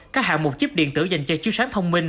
các hạ mục chiếc điện tử dành cho chiếu sáng thông minh